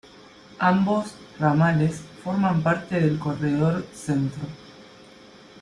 Ambos ramales forman parte del Corredor Centro.